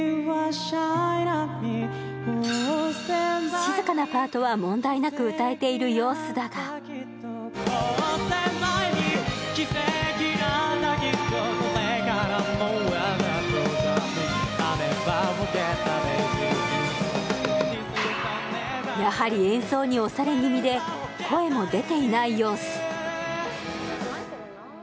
静かなパートは問題なく歌えている様子だがやはり演奏に押され気味で声も出ていない様子